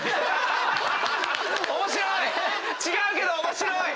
面白い！